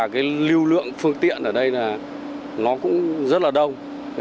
do lưu lượng phương tiện ở đây nó cũng rất là đông